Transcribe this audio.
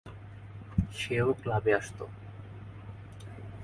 সেও ক্লাবে আসে।